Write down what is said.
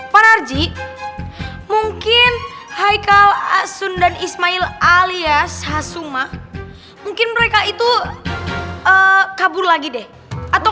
pak narji mungkin haikal asun dan ismail alias hasuma mungkin mereka itu kabur lagi deh atau